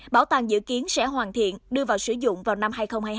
bảo tàng dự kiến sẽ hoàn thiện đưa vào sử dụng vào năm hai nghìn hai mươi hai